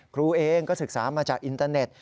ครูเองก็ศึกษามาจากอินเตอร์เน็ต